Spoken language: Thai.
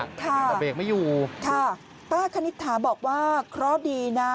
แต่เบรกไม่อยู่ค่ะป้าคณิตถาบอกว่าเคราะห์ดีนะ